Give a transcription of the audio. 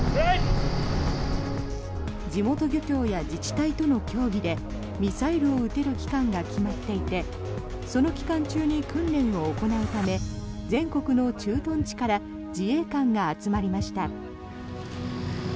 地元漁協や自治体との協議でミサイルを撃てる期間が決まっていてその期間中に訓練を行うため全国の駐屯地から自衛官が集まりました。